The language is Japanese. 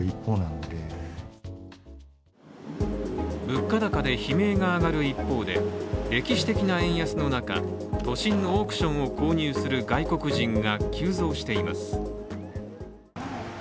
物価高で悲鳴が上がる一方で、歴史的な円安の中、都心の億ションを購入する外国人が急増しています。